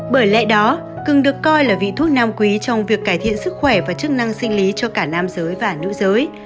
bởi lẽ đó cưng được coi là vị thuốc nam quý trong việc cải thiện sức khỏe và chức năng sinh lý cho cả nam giới và nữ giới